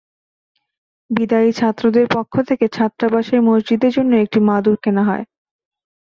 বিদায়ী ছাত্রদের পক্ষ থেকে ছাত্রাবাসের মসজিদের জন্য একটি মাদুর কেনা হয়।